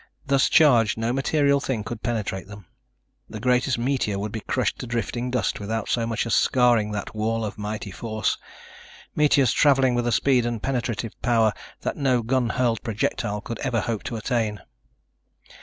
Thus charged, no material thing could penetrate them. The greatest meteor would be crushed to drifting dust without so much as scarring that wall of mighty force ... meteors traveling with a speed and penetrative power that no gun hurled projectile could ever hope to attain.